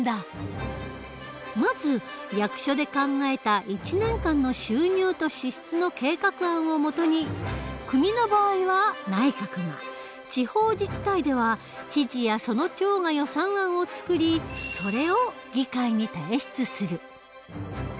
まず役所で考えた１年間の収入と支出の計画案を基に国の場合は内閣が地方自治体では知事やその長が予算案を作りそれを議会に提出する。